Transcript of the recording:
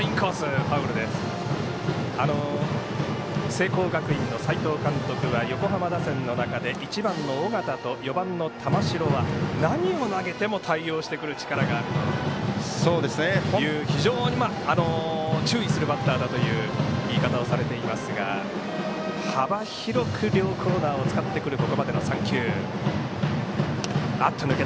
聖光学院の斎藤監督は横浜打線の中で１番の緒方と４番の玉城は何を投げても対応してくる力があるという非常に注意するバッターだという言い方をされていますが幅広く両コーナー使ってきてます。